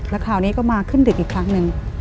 แล้วคราวนี้ก็มาขึ้นดึกอีกครั้งหนึ่ง